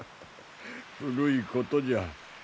古いことじゃ。